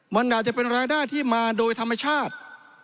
มันอาจจะเป็นรายได้ที่มาโดยธรรมชาติ